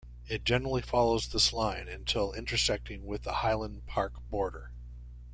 It generally follows this line until intersecting with the Highland Park border.